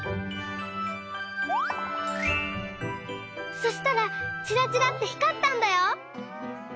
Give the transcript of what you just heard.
そしたらちらちらってひかったんだよ！